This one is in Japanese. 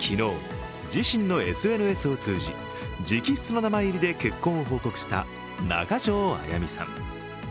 昨日、自身のＳＮＳを通じ、直筆の名前入りで結婚を報告した中条あやみさん。